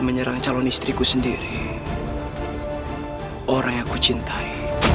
menyerang calon istriku sendiri orang yang ku cintai